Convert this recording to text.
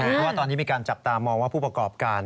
เพราะว่าตอนนี้มีการจับตามองว่าผู้ประกอบการ